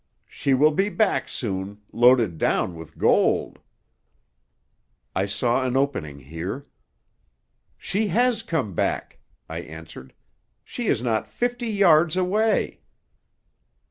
She will be back soon, loaded down with gold." I saw an opening here. "She has come back," I answered. "She is not fifty yards away."